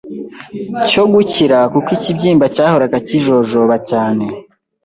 cyo gukira kuko ikibyimba cyahoraga kijojoba cyane